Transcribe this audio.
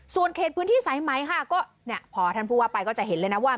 ส่วนเขตพื้นที่สายไหมค่ะก็เนี่ยพอท่านพูดว่าไปก็จะเห็นเลยนะว่า